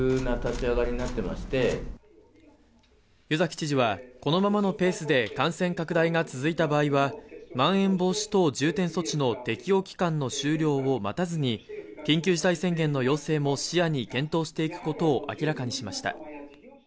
湯崎知事は、このままのペースで感染拡大が続いた場合はまん延防止等重点措置の適用期間の終了を待たずに緊急事態宣言の要請も視野に検討していくことを明らかにしました。